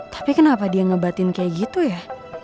tapi kenapa dia ngebatin kayak gitu ya